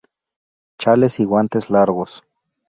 Chales y guantes largos.